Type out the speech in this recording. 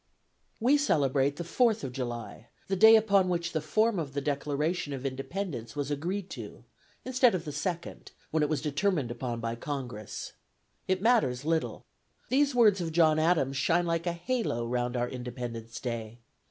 We celebrate the Fourth of July, the day upon which the form of the Declaration of Independence was agreed to, instead of the second, when it was determined upon by Congress. It matters little; these words of John Adams' shine like a halo round our Independence Day.